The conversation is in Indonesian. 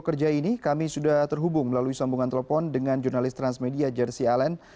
pekerja ini kami sudah terhubung melalui sambungan telepon dengan jurnalis transmedia jersi alen